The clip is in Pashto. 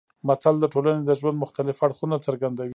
متل د ټولنې د ژوند مختلف اړخونه څرګندوي